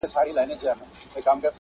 حال منصور وايه، سر ئې په دار سو.